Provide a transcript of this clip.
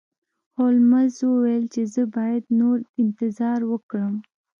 هولمز وویل چې زه باید نور انتظار وکړم.